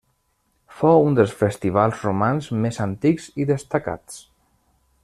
Fou un dels festivals romans més antics i destacats.